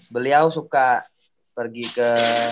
beliau suka pergi ke